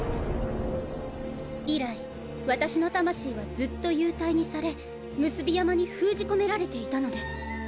以来私の魂はずっと幽体にされ産霊山に封じ込められていたのです。